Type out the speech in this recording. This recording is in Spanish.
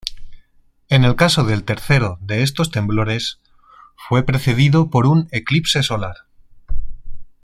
En el caso del tercero de estos temblores, fue precedido por un eclipse solar.